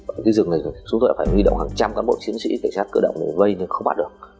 ở cái rừng này chúng tôi đã phải nguy động hàng trăm cán bộ chiến sĩ để chắc cửa động này vây nên không bắt được